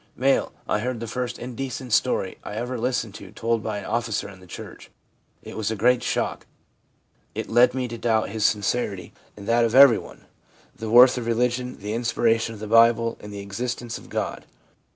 M . 'I heard the first indecent story I ever listened to told by an officer in the church. It was a great shock. It led me to doubt his sincerity, and that of everyone, the worth of re ligion, the inspiration of the Bible, and the existence of God.